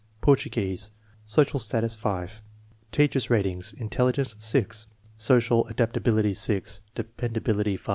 Portuguese, social status 5. Teacher's ratings: intelligence 6, social adaptability 6, de pendability 5.